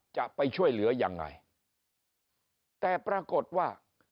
จะไปช่วยเหลือยังไงแต่ปรากฏว่า